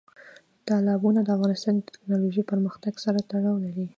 تالابونه د افغانستان د تکنالوژۍ پرمختګ سره تړاو لري.